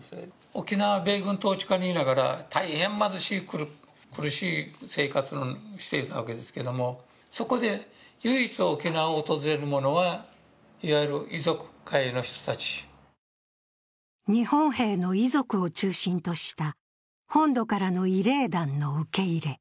沖縄は米軍統治下にいながら、大変貧しい、苦しい生活をしていたわけですけれどもそこで、唯一沖縄を訪れる者は日本兵の遺族を中心とした本土からの慰霊団の受け入れ。